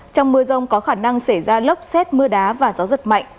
trong mưa rông có khả năng xảy ra lốc xét mưa đá và gió giật mạnh